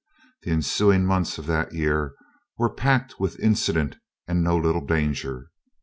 The ensuing months of that year were packed with incident and no little danger.